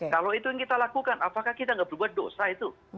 kalau itu yang kita lakukan apakah kita nggak berbuat dosa itu